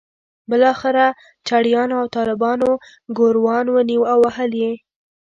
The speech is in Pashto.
بالاخره چړیانو او طالبانو ګوروان ونیو او وهل یې.